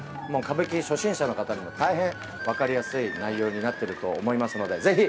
歌舞伎初心者の方でも大変分かりやすい内容になってると思いますのでぜひよろしくお願いいたします。